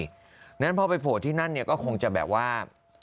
เพราะฉะนั้นพอไปโผล่ที่นั่นเนี่ยก็คงจะแบบว่า